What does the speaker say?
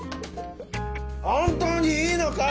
本当にいいのか？